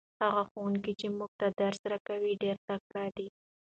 هغه ښوونکی چې موږ ته درس راکوي ډېر تکړه دی.